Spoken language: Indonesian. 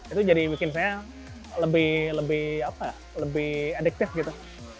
itu jadi bikin saya lebih adiktif gitu